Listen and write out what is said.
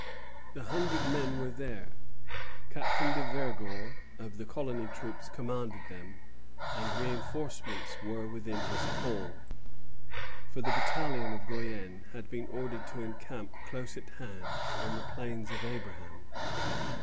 The hundred men were there. Captain de Vergor, of the colony troops, commanded them, and reinforcements were within his call; for the battalion of Guienne had been ordered to encamp close at hand on the Plains of Abraham.